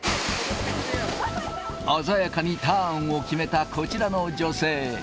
鮮やかにターンを決めたこちらの女性。